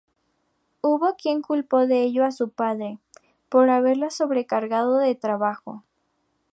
Hubo quien culpó de ello a su padre, por haberla sobrecargado de trabajo.